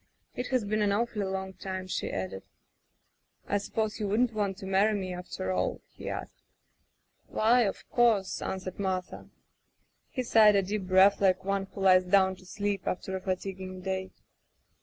"It has been an awfully long time,*' she added. "I suppose you wouldn't want to marry me — rafter all ?" he asked. "Why, of course," answered Martha. He sighed a deep breath like one who lies down to sleep after a fatiguing day.